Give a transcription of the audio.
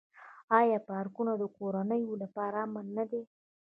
آیا پارکونه د کورنیو لپاره امن دي؟